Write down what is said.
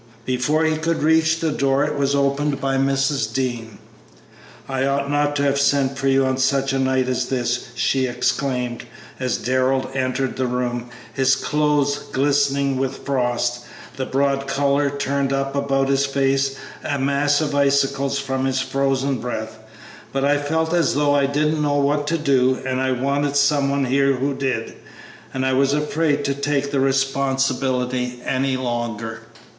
Before he could reach the door it was opened by Mrs. Dean. "I ought not to have sent for you on such a night as this!" she exclaimed, as Darrell entered the room, his clothes glistening with frost, the broad collar turned up about his face a mass of icicles from his frozen breath; "but I felt as though I didn't know what to do, and I wanted some one here who did. I was afraid to take the responsibility any longer."